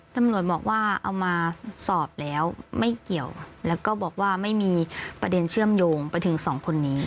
ตำรวจบอกว่าเอามาสอบแล้วไม่เกี่ยวแล้วก็บอกว่าไม่มีประเด็นเชื่อมโยงไปถึงสองคนนี้